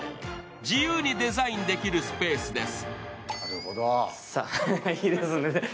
自由にデザインできるスペースです。